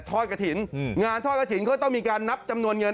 กระถิ่นงานทอดกระถิ่นเขาต้องมีการนับจำนวนเงิน